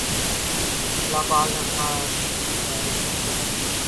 لا Paz محکمہ El Salvador کا ایک رہائشی علاقہ ہے